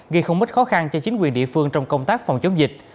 gây không ít khó khăn cho chính quyền địa phương trong công tác phòng chống dịch